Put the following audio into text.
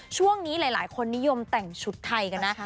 ช่วงนี้หลายคนนิยมแต่งชุดไทยกันนะ